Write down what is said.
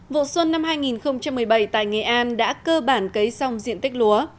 vụ xuân năm hai nghìn một mươi bảy tại nghệ an đã cơ bản cấy xong diện tích lúa